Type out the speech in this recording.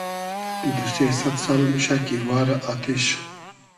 دو سې سئد سال موشۂ کی وارۂ آتیش